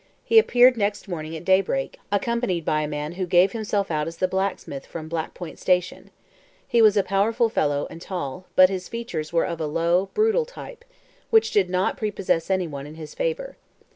He appeared next morning at daybreak, accompanied by a man who gave himself out as the blacksmith from Black Point Station. He was a powerful fellow, and tall, but his features were of a low, brutal type, which did not prepossess anyone in his favor.